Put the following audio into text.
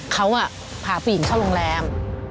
เขาพาผู้หญิงเข้าโรงแรม